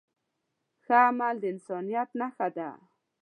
ښه عمل د انسانیت نښه ده.